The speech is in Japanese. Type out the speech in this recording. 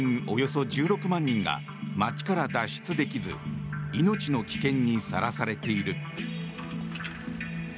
およそ１６万人が街から脱出できず命の危険にさらされている。